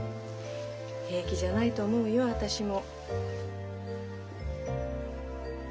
平気じゃないと思うよ私も。